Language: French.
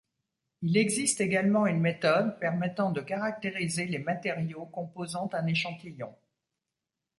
Il existe également une méthode permettant de caractériser les matériaux composant un échantillon.